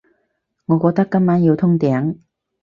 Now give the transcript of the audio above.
我覺得今晚要通頂